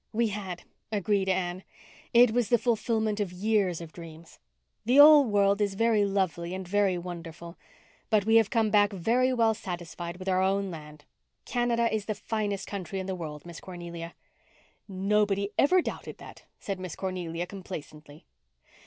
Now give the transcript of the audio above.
"We had," agreed Anne. "It was the fulfilment of years of dreams. The old world is very lovely and very wonderful. But we have come back very well satisfied with our own land. Canada is the finest country in the world, Miss Cornelia." "Nobody ever doubted that," said Miss Cornelia, complacently.